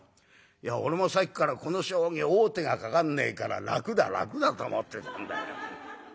いや俺もさっきからこの将棋王手がかかんねえから楽だ楽だと思ってたんだよ」。